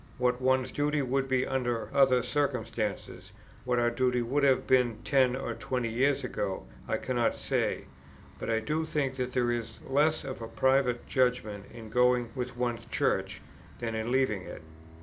What one's duty would be under other circumstances, what our duty would have been ten or twenty years ago, I cannot say; but I do think that there is less of private judgment in going with one's Church, than in leaving it.